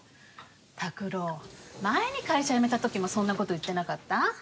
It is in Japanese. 卓郎前に会社辞めたときもそんなこと言ってなかった？